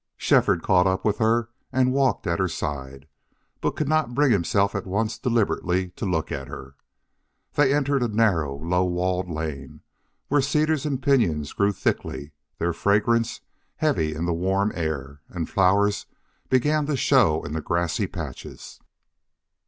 Shefford caught up with her and walked at her side, but could not bring himself at once deliberately to look at her. They entered a narrow, low walled lane where cedars and pinyons grew thickly, their fragrance heavy in the warm air, and flowers began to show in the grassy patches.